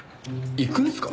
行くんすか！？